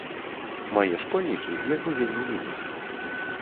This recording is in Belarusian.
Мае школьнікі яго вельмі любяць.